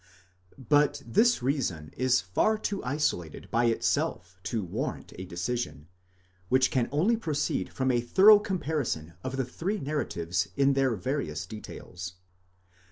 But this reason is far too isolated by itself to warrant a decision, which can only proceed from a thorough comparison of the three narratives in their various details.